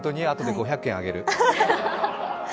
あとで５００円あげる。